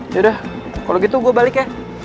yaudah kalau gitu gue balik ya